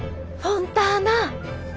フォンターナ。